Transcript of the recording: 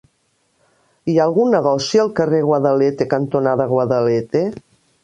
Hi ha algun negoci al carrer Guadalete cantonada Guadalete?